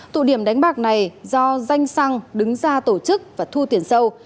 tụ điểm đánh bạc này do danh xăng đứng ra tổ chức và thu tiền sâu